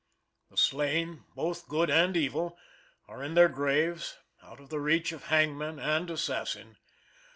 The slain, both good and evil, are in their graves, out of the reach of hangman and assassin.